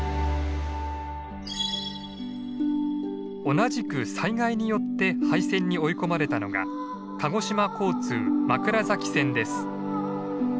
同じく災害によって廃線に追い込まれたのが鹿児島交通枕崎線です。